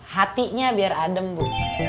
hatinya biar adem bu